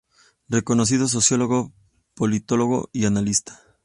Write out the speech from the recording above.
Reconocido sociólogo, politólogo y analista.